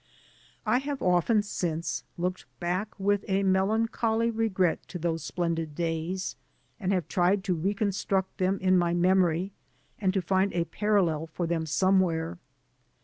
I have often since looked back with a melancholy regret^to those splendid days, and have tried to recon struct them in my memory and to find a parallel for them somewhere.